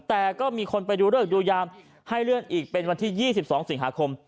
แต่ก็มีคนไปดูเลิกดูยามให้เลื่อนอีกเป็นวันที่๒๒สิงหาคม